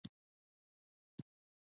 سیزده بدر د طبیعت ورځ ده.